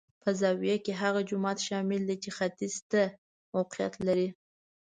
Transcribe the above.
په زاویه کې هغه جومات شامل دی چې ختیځ ته موقعیت لري.